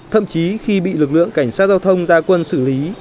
thậm chí khi bị lực lượng cảnh sát giao thông ra quân xử lý